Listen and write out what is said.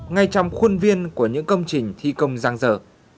ngay trong khuôn viên của những công trình thi công giang dở